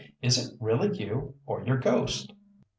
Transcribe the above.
"Is it really you or your ghost?"